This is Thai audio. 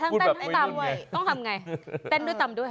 ต้องทำไงต้นด้วยตำด้วย